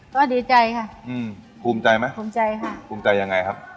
ก็ดีใจค่ะอืมภูมิใจไหมภูมิใจค่ะภูมิใจยังไงครับ